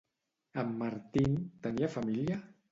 En Martín tenia família?